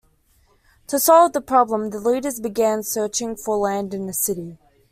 To solve the problem, the leaders began searching for land in the city.